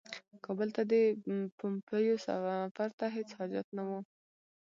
کابل ته د پومپیو سفر ته هیڅ حاجت نه وو.